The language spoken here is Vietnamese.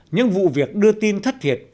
những vụ việc đưa tin thất thiệt